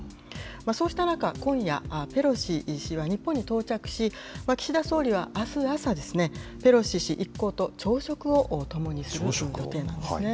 そうした中、今夜、ペロシ氏は日本に到着し、岸田総理はあす朝ですね、ペロシ氏一行と朝食を共にする予定なんですね。